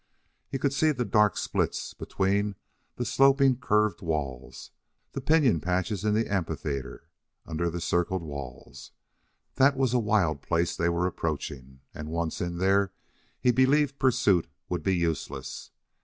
He could see the dark splits between the sloping curved walls, the pinyon patches in the amphitheater under the circled walls. That was a wild place they were approaching, and, once in there, he believed pursuit would be useless.